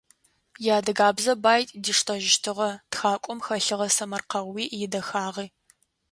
Иадыгабзэ бай диштэжьыщтыгъэ тхакӏом хэлъыгъэ сэмэркъэум идэхагъи.